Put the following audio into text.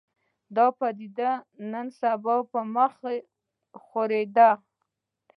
دا پدیده نن سبا مخ په خورېدو ده